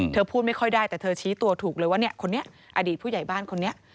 พูดไม่ค่อยได้แต่เธอชี้ตัวถูกเลยว่าเนี่ยคนนี้อดีตผู้ใหญ่บ้านคนนี้